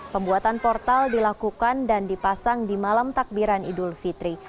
pembuatan portal dilakukan dan dipasang di malam takbiran idul fitri